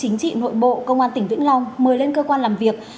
an ninh chính trị nội bộ công an tỉnh vĩnh long mời lên cơ quan làm việc